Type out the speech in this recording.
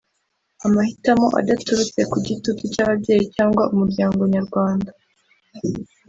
amahitamo adaturutse ku gitutu cy’ababyeyi cyangwa umuryango Nyarwanda